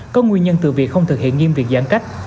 có nguyên nhân từ việc không thực hiện nghiêm việc giãn cách